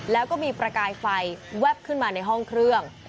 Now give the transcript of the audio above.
แล้วก็มีประกายไฟแวบขึ้นมาในห้องเครื่อง